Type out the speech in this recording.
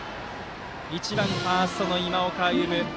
１番、ファーストの今岡歩夢。